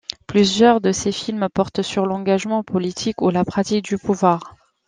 Plusieurs de ses films portent sur l'engagement politique ou la pratique du pouvoir.